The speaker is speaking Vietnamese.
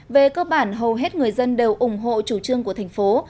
về cơ bản hầu hết người dân đều ủng hộ chủ trương của thành phố